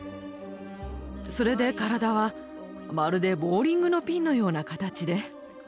それで体はまるでボウリングのピンのような形で。